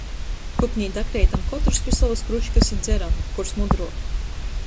Kuknē dakreitam kotrys pi sovys kružkys i dzeram, kurs mudruok.